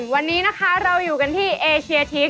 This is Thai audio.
วันนี้นะคะเราอยู่กันที่เอเชียทีก